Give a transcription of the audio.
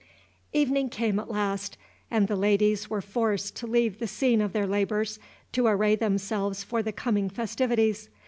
Evening came at last, and the ladies were forced to leave the scene of their labors to array themselves for the coming festivities.